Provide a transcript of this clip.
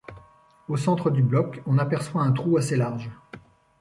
Au centre du bloc, on aperçoit un trou assez large.